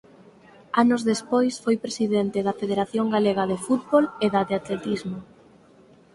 Anos despois foi presidente da Federación Galega de Fútbol e da de Atletismo.